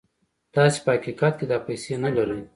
تاسې په حقيقت کې دا پيسې نه لرئ.